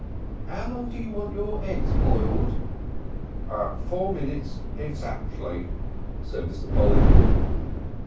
'Ow long do you like your eggs boiled?" "Four minutes exactly," said Mr. Polly.